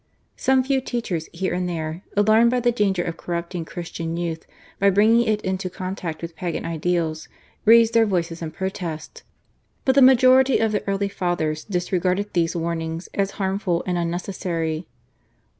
Some few teachers here and there, alarmed by the danger of corrupting Christian youth by bringing it into contact with Pagan ideals, raised their voices in protest, but the majority of the early Fathers disregarded these warnings as harmful and unnecessary.